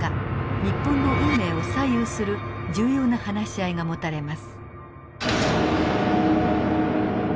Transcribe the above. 日本の運命を左右する重要な話し合いが持たれます。